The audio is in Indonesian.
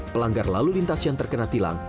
pelanggar lalu lintas yang terkena tilang